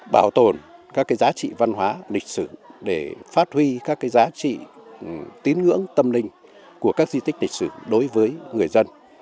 bảo tồn các giá trị văn hóa lịch sử để phát huy các giá trị tín ngưỡng tâm linh của các di tích lịch sử đối với người dân